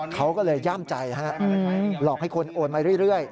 เขาก็เลยย่ามใจหลอกให้คนโอนมาเรื่อย